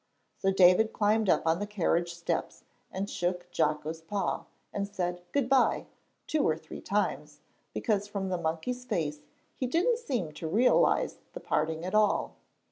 So David climbed up on the carriage steps and shook Jocko's paw, and said "Good by" two or three times, because from the monkey's face he didn't seem to realize the parting at all.